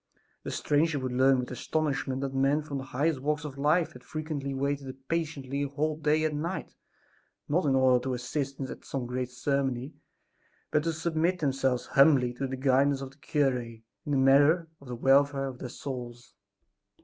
The stranger would learn with astonishment that men from the highest walks of life had frequently waited patiently a whole day and night, not in order to assist at some great ceremony, but to submit themselves humbly to the guidance of the cure in the matter of the welfare of their souls.